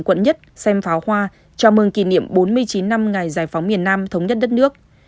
quận một xem pháo hoa chào mừng kỷ niệm bốn mươi chín năm ngày giải phóng miền nam thống nhất đất nước